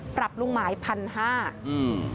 ปรับลุงหมายพันห้าอืม